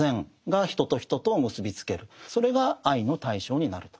それが愛の対象になると。